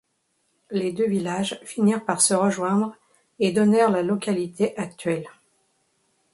Les deux villages finirent par se rejoindre et donnèrent la localité actuelle.